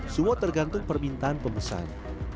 semua tergantung permintaan pemesan